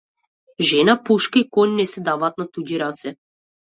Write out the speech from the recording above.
Жена, пушка и коњ не се даваат на туѓи раце.